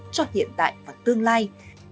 cho hiện tại và tương lai